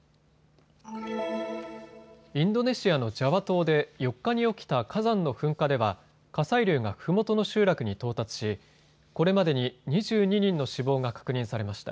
インドネシアのジャワ島で４日に起きた火山の噴火では火砕流がふもとの集落に到達しこれまでに２２人の死亡が確認されました。